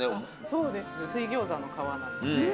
そうです水餃子の皮なので。